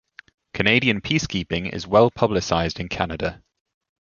Canadian peacekeeping is well publicised in Canada.